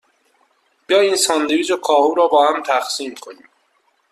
بیا این ساندویچ کاهو را باهم تقسیم کنیم.